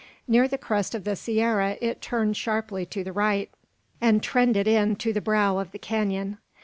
Near the crest of the sierra it turned sharply to the right, and trended in to the brow of the canon.